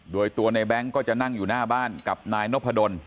โดยตัวในแบงค์ก็จะนั่งอยู่หน้าบ้านกับนายนพดล